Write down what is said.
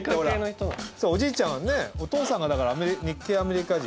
おじいちゃんねお父さんがだから日系アメリカ人。